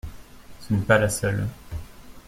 Ce n’est pas la seule.